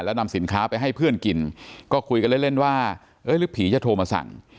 แล้วนำสินค้าไปให้เพื่อนกินก็คุยกันเล่นเล่นว่าหรือผีจะโทรมาสั่ง